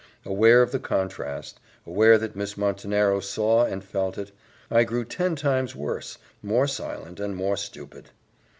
Aware of the contrast, aware that Miss Montenero saw and felt it, I grew ten times worse, more silent, and more stupid.